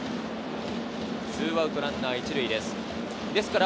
２アウトランナー１塁です。